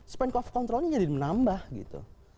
span of controlnya jadi menambah gitu